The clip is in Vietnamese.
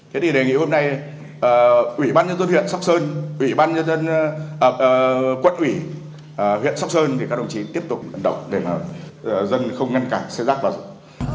thế thì đề nghị hôm nay quận ủy huyện sóc sơn các đồng chí tiếp tục ẩn động để mà dân không ngăn cản xe rác vào dựng